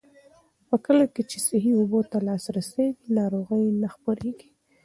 په کليو کې چې صحي اوبو ته لاسرسی وي، ناروغۍ نه خپرېږي.